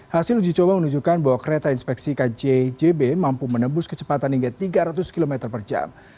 hasil uji coba menunjukkan bahwa kereta inspeksi kjjb mampu menembus kecepatan hingga tiga ratus km per jam